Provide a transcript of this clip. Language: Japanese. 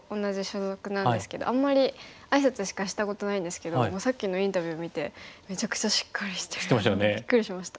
あんまり挨拶しかしたことないんですけどもうさっきのインタビュー見てめちゃくちゃしっかりしてもうびっくりしました。